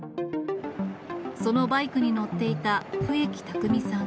そのバイクに乗っていた笛木拓未さん